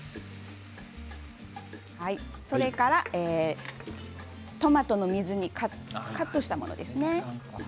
それからトマトの水煮はカットしたものですね。